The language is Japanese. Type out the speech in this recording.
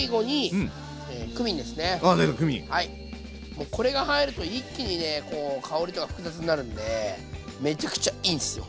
もうこれが入ると一気にねこう香りとか複雑になるんでめちゃくちゃいいんすよ！